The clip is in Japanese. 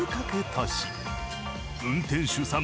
運転手さん